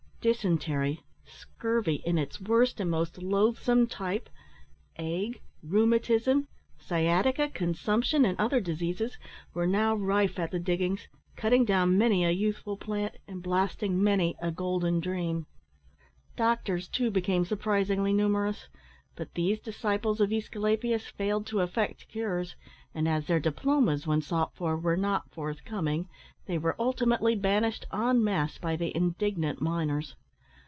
Dysentery, scurvy in its worst and most loathsome type, ague, rheumatism, sciatica, consumption, and other diseases, were now rife at the diggings, cutting down many a youthful plant, and blasting many a golden dream. Doctors, too, became surprisingly numerous, but these disciples of Esculapius failed to effect cures, and as their diplomas, when sought for, were not forthcoming, they were ultimately banished en masse by the indignant miners.